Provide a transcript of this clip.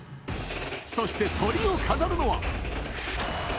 そしてトリを飾るのは。